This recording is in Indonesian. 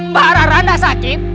mbak rara anda sakit